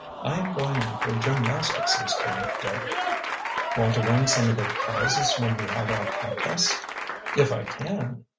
"I am going in for gymnastics this term, Dick." "Want to win some of the prizes when we have our contests?" "If I can."